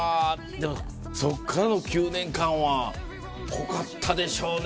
でもそっからの９年間は濃かったでしょうね。